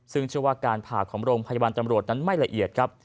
ซึ่งเชื่อว่าการผ่าของโรงพยาบาลตำรวจนั้นไม่ละเอียดครับ